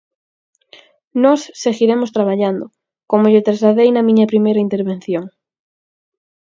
Nós seguiremos traballando, como lle trasladei na miña primeira intervención.